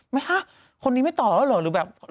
ไหมคะคนนี้ไม่ต่อแล้วเหรอหรือแบบ